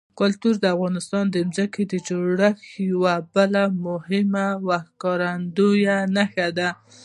کلتور د افغانستان د ځمکې د جوړښت یوه بله مهمه او ښکاره نښه ده.